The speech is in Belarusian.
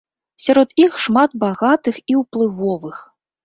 Сярод іх шмат багатых і ўплывовых.